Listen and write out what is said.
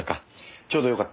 ちょうどよかった。